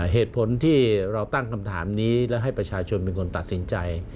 เหตุผลที่เราตั้งคำถามนี้และให้ประชาชนเป็นคนตัดสินใจ